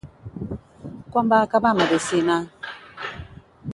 Quan va acabar Medicina?